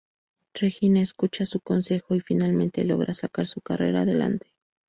Regina escucha su consejo y finalmente logra sacar su carrera adelante.